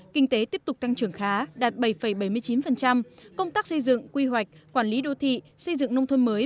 kinh tế tiếp tục tăng trưởng khá đạt bảy bảy mươi chín công tác xây dựng quy hoạch quản lý đô thị xây dựng nông thôn mới